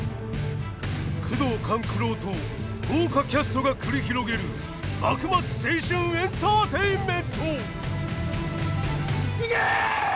宮藤官九郎と豪華キャストが繰り広げる幕末青春エンターテインメント！